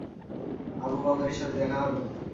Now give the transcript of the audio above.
আবু বকরের সাথে দেখা হল।